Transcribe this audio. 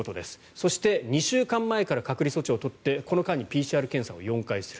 そして、２週間前から隔離措置を取ってこの間にＰＣＲ検査を４回する。